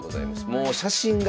もう写真が。